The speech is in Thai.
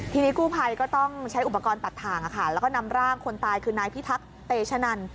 ทีนี้กู้ภัยก็ต้องใช้อุปกรณ์ตัดทางแล้วก็นำร่างคนตายคือนายพิทักษ์เตชะนัน